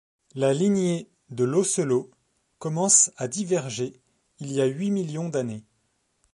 La lignée de l'ocelot commence à diverger il y a huit millions d'années.